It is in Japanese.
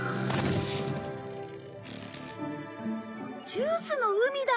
ジュースの海だ！